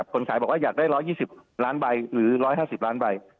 คนขายบอกว่าอยากได้๑๒๐ล้านใบหรือ๑๕๐ล้านใบ